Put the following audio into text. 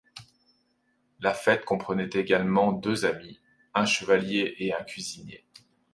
La fête comprenait également deux amis, un chevalier et un cuisinier.